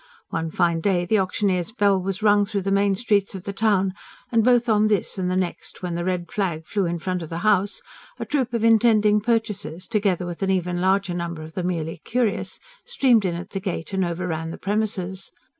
One fine day the auctioneer's bell was rung through the main streets of the town; and both on this and the next, when the red flag flew in front of the house, a troop of intending purchasers, together with an even larger number of the merely curious, streamed in at the gate and overran the premises.